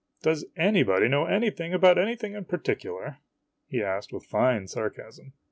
\> r "'DOES ANYBODY KNOW ANYTHING ABOUT ANYTHING IN PARTICULAR?' ASKED THE KING." asked with fine sarcasm.